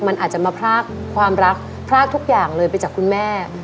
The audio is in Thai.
มันอาจจะมาพรากความรักพรากทุกอย่างเลยไปจากคุณแม่